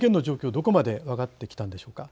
どこまで分かってきたんでしょうか。